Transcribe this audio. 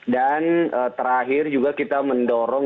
dan terakhir juga kita mendorong